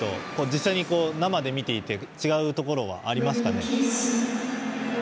実際に生で見ていて違うところありますか？